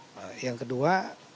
nah yang kedua